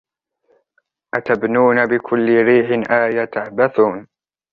أَتَبْنُونَ بِكُلِّ رِيعٍ آيَةً تَعْبَثُونَ